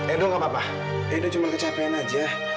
edo gak apa apa edo cuma kecapean aja